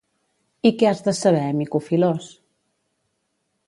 —I què has de saber, mico filós!